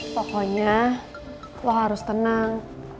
pokoknya lo harus tenang